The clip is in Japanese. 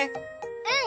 うん！